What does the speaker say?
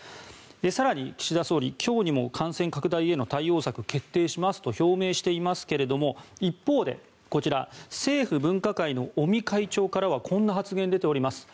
更に岸田総理、今日にも感染拡大への対応策決定しますと表明していますが一方でこちら政府分科会の尾身会長からはこんな発言、出ております。